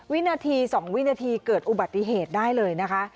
วินาที๒วินาทีเกิดอุบัติเหตุได้เลยนะคะ